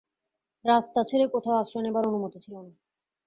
রাস্তা ছেড়ে কোথাও আশ্রয় নেবার অনুমতি ছিল না।